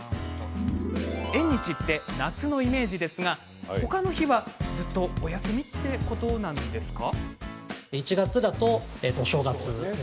縁日って夏のイメージですが他の日は、ずっとお休みってことなんでしょうか？